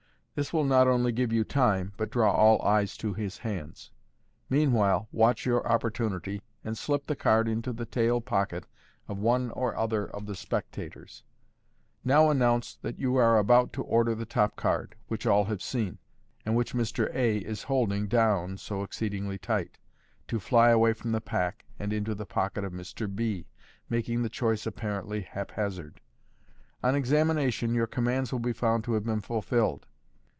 This will not only give you time, but draw all eyes to his hands. Meanwhile, watch your opportunity and slip the card into the tail pocket of one or other of the spectators. Now announce that you are about to order the top card, which all have seen, and which Mr. A. is holding down so exceedingly tight, to fly away from the pack and into the pocket of Mr. B., making the choice apparently hap hazard. On examination Fig. 30, your commands will be found to have been fulfilled.